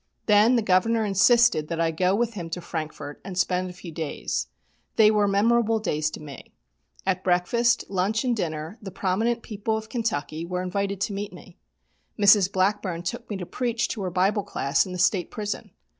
Then the Governor insisted that I go with him to Frankfort and spend a few days. They were memorable days to me. At breakfast, lunch and dinner the prominent people of Kentucky were invited to meet me. Mrs. Blackburn took me to preach to her Bible Class in the State Prison.